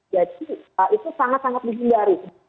jadi itu sangat sangat dihindari